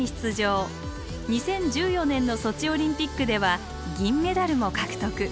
２０１４年のソチオリンピックでは銀メダルも獲得。